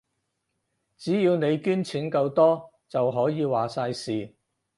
只要你捐錢夠多，就可以話晒事